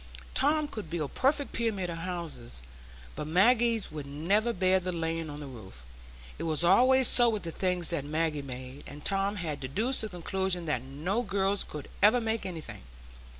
Tom could build perfect pyramids of houses; but Maggie's would never bear the laying on the roof. It was always so with the things that Maggie made; and Tom had deduced the conclusion that no girls could ever make anything.